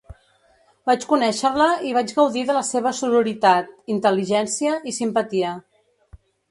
Vaig conèixer-la i vaig gaudir de la seva sororitat, intel·ligència i simpatia.